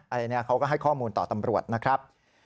อะไรเนี่ยเขาก็ให้ข้อมูลต่อตำรวจนะครับ